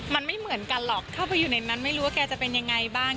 มันไม่เหมือนกันหรอกเข้าไปอยู่ในนั้นไม่รู้ว่าแกจะเป็นยังไงบ้าง